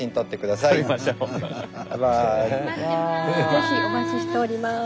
是非お待ちしております。